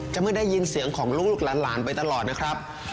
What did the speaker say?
เมื่อได้ยินเสียงของลูกหลานไปตลอดนะครับ